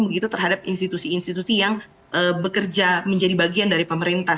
begitu terhadap institusi institusi yang bekerja menjadi bagian dari pemerintah